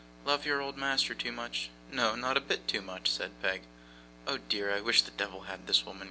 'Love your old master too much ' 'No, not a bit too much,' said Peg. 'Oh, dear, I wish the devil had this woman!